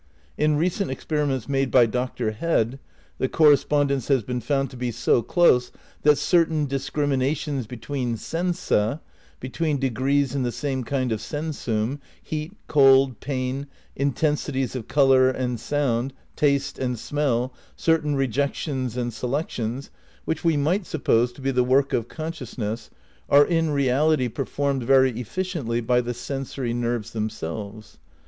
In recent experiments made by Dr. Head, the correspondence has been found to be so close that certain discriminations between sensa, between degrees in the same kind of senswm, heat, cold, pain, intensities of colour and sound, taste and smell, certain rejections and selections, which we might suppose to be the work of consciousness, are in reality performed very efficiently by the sensory nerves themselves.